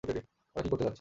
ওরা কী করতে চাচ্ছে?